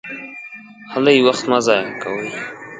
هلئ! وخت مه ضایع کوئ!